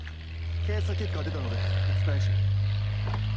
検査結果が出たのでお伝えしに。